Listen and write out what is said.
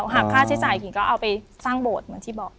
หากค่าใช้จ่ายกิ่งก็เอาไปสร้างโบสถ์เหมือนที่บอก